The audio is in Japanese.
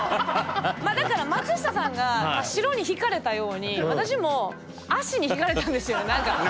だから松下さんが白にひかれたように私も足にひかれたんですよ何か。